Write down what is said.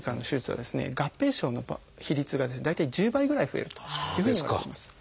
合併症の比率がですね大体１０倍ぐらい増えるというふうにいわれています。